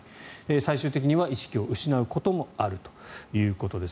最終的には意識を失うこともあるということです。